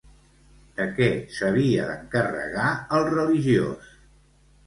De què s'havia d'encarregar el religiós?